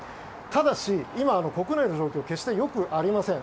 ただし、今、国内の状況決してよくありません。